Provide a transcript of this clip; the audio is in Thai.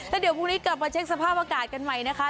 แล้วเดี๋ยวพรุ่งนี้กลับมาเช็คสภาพอากาศกันใหม่นะคะ